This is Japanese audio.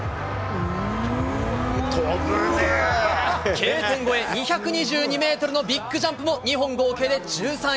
Ｋ点越え、２２２メートルのビッグジャンプも２本合計で１３位。